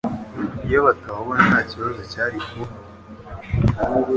Iyo batabona, ntakibazo cyari kuba.